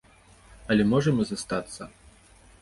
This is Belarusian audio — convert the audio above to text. Але можам і застацца.